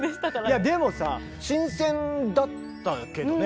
いやでもさ新鮮だったけどね